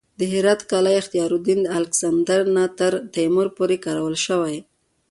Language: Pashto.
د هرات د قلعه اختیارالدین د الکسندر نه تر تیمور پورې کارول شوې